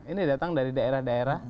ini datang dari daerah daerah